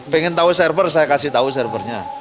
pengen tau server saya kasih tau servernya